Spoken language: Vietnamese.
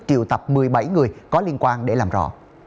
triệu tập một mươi bảy người có liên quan để làm rõ